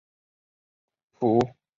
普纳凯基边上。